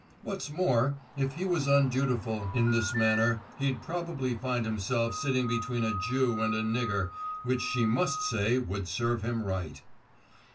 What's more, if he was undutiful in this matter he'd probably find himself sitting between a Jew and a nigger, which she must say would serve him right.